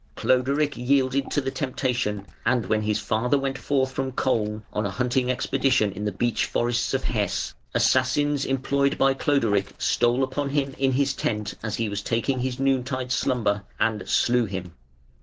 Cloderic yielded to the temptation, and when his father went forth from Koln on a hunting expedition in the beech forests of Hesse, assassins employed by Cloderic stole upon him in his tent, as he was taking his noon tide slumber, and slew him.